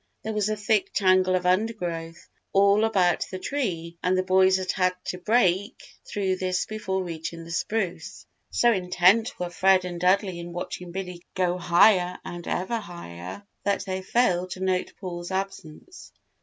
There was a thick tangle of undergrowth all about the tree and the boys had had to break through this before reaching the spruce. So intent were Fred and Dudley in watching Billy go higher and ever higher, that they failed to note Paul's absence.